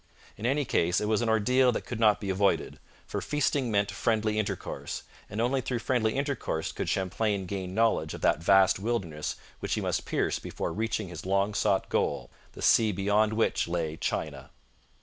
In any case, it was an ordeal that could not be avoided, for feasting meant friendly intercourse, and only through friendly intercourse could Champlain gain knowledge of that vast wilderness which he must pierce before reaching his long sought goal, the sea beyond which lay China.